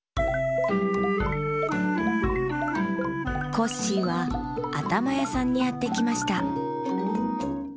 コッシーは「あたまやさん」にやってきました